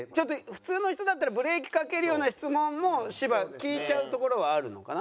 普通の人だったらブレーキかけるような質問も芝聞いちゃうところはあるのかな？